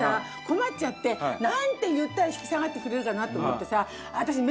困っちゃってなんて言ったら引き下がってくれるかなって思ってさ「私」。